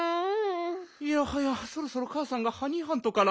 いやはやそろそろかあさんがハニーハントから。